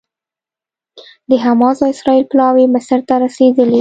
د حماس او اسرائیل پلاوي مصر ته رسېدلي